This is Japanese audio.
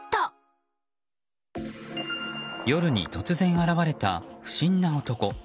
夜に突然現れた不審な男。